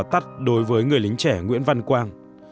tắt đối với người lính trẻ nguyễn văn quang